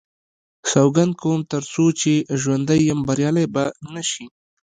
سوګند کوم تر څو چې ژوندی یم بریالی به نه شي.